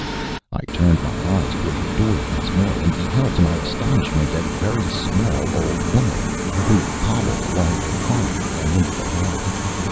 I turned my eyes toward the door once more, and beheld, to my astonishment, a very small old woman, who hobbled along the corridor and into the hall.